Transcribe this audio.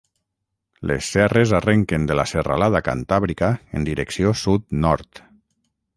Les serres arrenquen de la serralada Cantàbrica en direcció sud-nord.